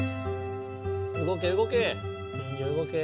動け動け！